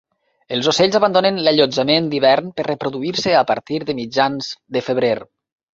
Els ocells abandonen l'allotjament d'hivern per reproduir-se a partir de mitjans de febrer.